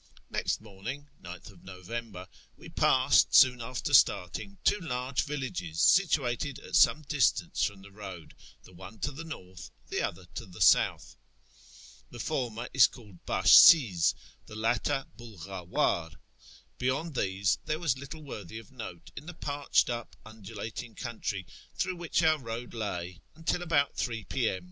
Next morning (9th Xovember) we passed, soon after start ing, two large villages, situated at some distance from the road, the one to the north, the other to the south. The former is called Bashsiz, the latter Bulgliawar. Beyond tliese there was little worthy of note in the parched up undulating country through which our road lav, until, about ?> P.M.